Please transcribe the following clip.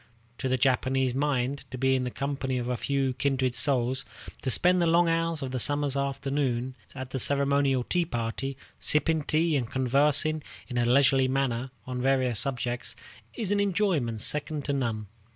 To the Japanese mind, to be in the company of a few kindred souls, to spend the long hours of a summer's afternoon at the ceremonial tea party, sipping tea and conversing in a leisurely manner on various subjects, is an enjoyment second to none.